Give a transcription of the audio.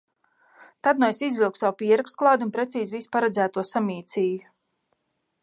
Tad nu es izvilku savu pierakstu kladi un precīzi visu paredzēto samīcīju.